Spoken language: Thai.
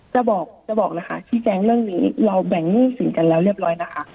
จะบอกจะบอกเลยค่ะชี้แจงเรื่องนี้เราแบ่งหนี้สินกันแล้วเรียบร้อยนะคะ